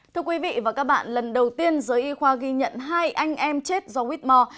thưa quý vị và các bạn lần đầu tiên giới y khoa ghi nhận hai anh em chết do quýt mò